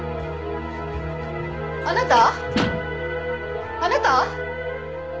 あなた？あなた？